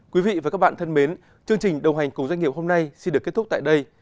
quý vị và các bạn thân mến chương trình đồng hành cùng doanh nghiệp hôm nay xin được kết thúc tại đây